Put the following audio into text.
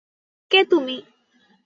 কে তুমি?